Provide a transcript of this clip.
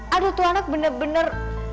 aduh tuh anak bener bener